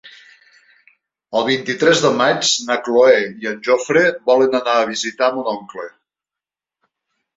El vint-i-tres de maig na Cloè i en Jofre volen anar a visitar mon oncle.